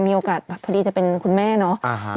มีโอกาสพอดีจะเป็นคุณแม่เนาะ